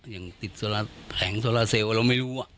อย่างติดแผงโซลาเซลลเราไม่รู้